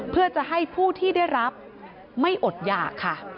เพื่อจะให้ผู้ที่ได้รับไม่อดหยากค่ะ